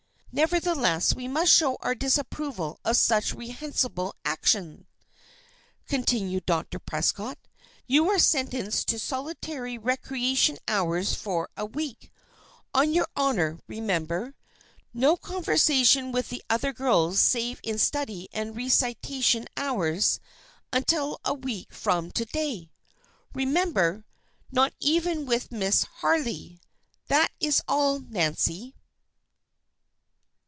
"Nevertheless, we must show our disapproval of such reprehensible actions," continued Dr. Prescott. "You are sentenced to solitary recreation hours for a week. On your honor, remember. No conversation with the other girls, save in study and recitation hours, until a week from to day. Remember! Not even with Miss Harley. That is all, Nancy."